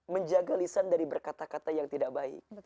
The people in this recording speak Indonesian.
menjaga lisan dari berkata kata yang tidak baik